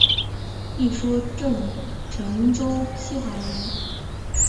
一说陈州西华人。